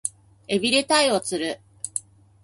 海老で鯛を釣る